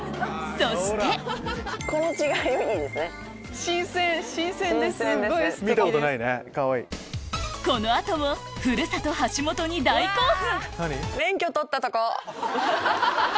そしてこの後も古里橋本に大興奮！